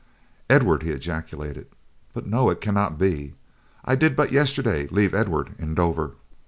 "Edward?" he ejaculated. "But no, it cannot be, I did but yesterday leave Edward in Dover."